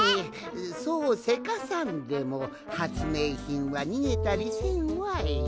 そうせかさんでもはつめいひんはにげたりせんわい。